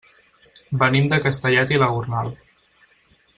Venim de Castellet i la Gornal.